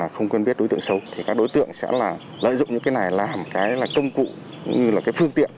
không quen biết đối tượng xấu thì các đối tượng sẽ là lợi dụng những cái này làm cái là công cụ cũng như là cái phương tiện